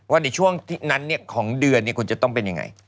ว่าในช่วงนั้นของเดือนคุณจะต้องเป็นยังไง